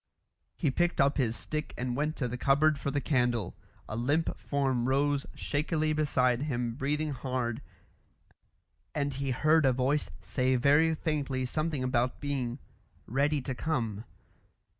He picked up his stick and went to the cupboard for the candle. A limp form rose shakily beside him breathing hard, and he heard a voice say very faintly something about being "ready to come."